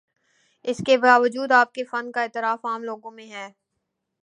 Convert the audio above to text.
اس کے باوجود آپ کے فن کا اعتراف عام لوگوں میں ہے۔